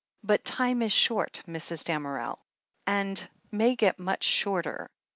But time is short, Mrs. Damerel, and may get much shorter.